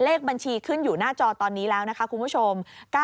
เลขบัญชีขึ้นอยู่หน้าจอตอนนี้แล้วนะคะคุณผู้ชม